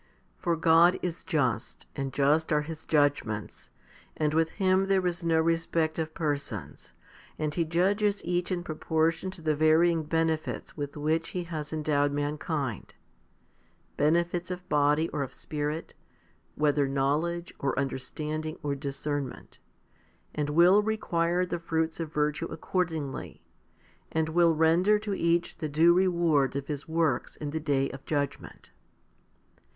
6. For God is just and just are His judgments, and with Him there is no respect of persons ; and He judges each in proportion to the varying benefits with which He has endowed mankind benefits of body or of spirit, whether knowledge, or understanding, or discernment and will require the fruits of virtue accordingly, and will render to each the due reward of his works in the day of judgment.